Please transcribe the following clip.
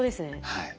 はい。